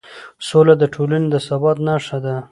سوله د ټولنې د ثبات نښه ده